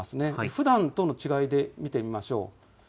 ふだんとの違いで見てみましょう。